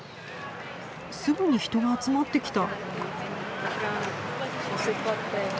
すぐに人が集まってきた。